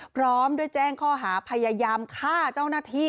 พร้อมด้วยแจ้งข้อหาพยายามฆ่าเจ้าหน้าที่